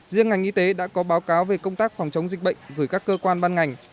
riêng ngành y tế đã có báo cáo về công tác phòng chống dịch bệnh gửi các cơ quan ban ngành